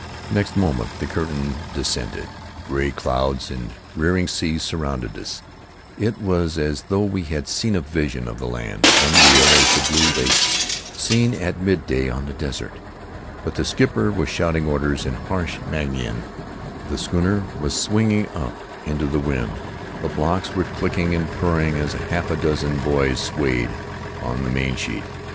Next moment the curtain descended; gray clouds and rearing seas surrounded us; it was as though we had seen a vision of the land, unreal as the blue lakes seen at midday on the desert. But the skipper was shouting orders in harsh Mangaian; the schooner was swinging up into the wind; the blocks were clicking and purring as half a dozen boys swayed on the mainsheet.